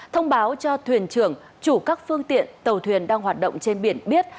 thông báo cho thuyền trưởng chủ các phương tiện tàu thuyền đang hoạt động trên biển biết